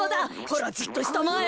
ほらじっとしたまえ。